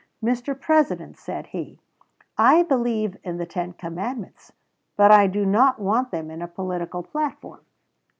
"Mr. President," said he, "I believe in the ten commandments, but I do not want them in a political platform."